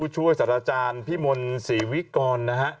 ช่วยสรรจารย์ภีมนต์สรีวิกร